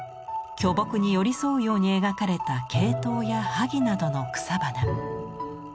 巨木に寄り添うように描かれた鶏頭や萩などの草花。